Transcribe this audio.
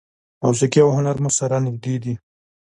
موسیقي او هنر مو سره نږدې دي.